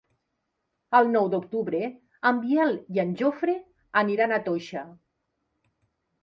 El nou d'octubre en Biel i en Jofre aniran a Toixa.